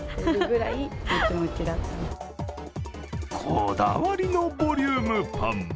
こだわりのボリュームパン。